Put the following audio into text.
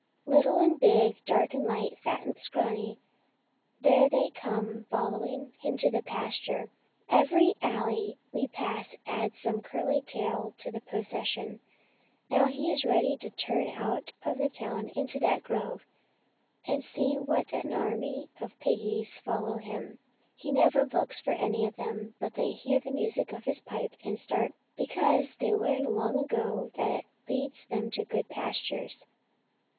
Little and big, dark and light, fat and scrawny, there they come follow ing him to pasture. Every alley we pass adds some curly tail to the procession. Now he is ready to turn out of the town into that grove, and see what an army of piggies follows him ! He never looks for any of them, but they hear the music of his pipe and start because they learned long ago that it leads them to good pastures."